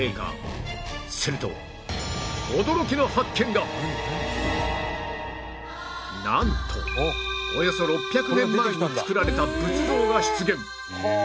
するとなんとおよそ６００年前に作られた仏像が出現